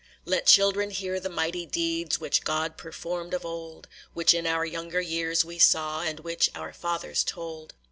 "Let children hear the mighty deeds Which God performed of old, Which in our younger years we saw, And which our fathers told.